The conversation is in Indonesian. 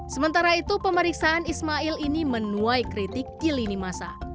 sementara itu pemeriksaan ismail ini menuai kritik kilini masa